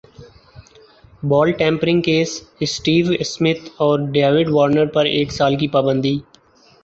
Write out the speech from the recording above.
بال tampering case Steve Smith اور David Warner پر ایک سال کی پابندی